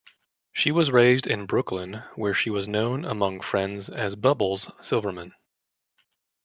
She was raised in Brooklyn, where she was known, among friends, as "Bubbles" Silverman.